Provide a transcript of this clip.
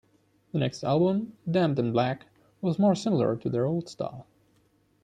The next album, "Damned in Black" was more similar to their old style.